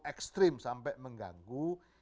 ekstrim sampai mengganggu